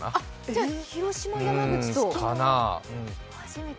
じゃあ、広島、山口と。